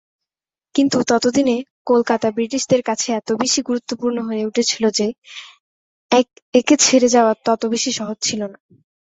কিন্তু ততদিনে কলকাতা ব্রিটিশদের কাছে এত বেশি গুরুত্বপূর্ণ হয়ে উঠেছিল যে, একে ছেড়ে যাওয়া তত সহজ ছিল না।